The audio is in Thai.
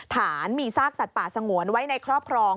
ฐานมีซากสัตว์ป่าสงวนไว้ในครอบครอง